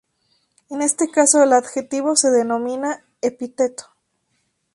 En este caso al adjetivo se denomina epíteto.